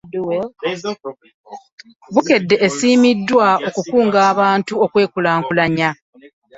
Bukedde esiimiiddwa okukunga abantu okwekulakulannya.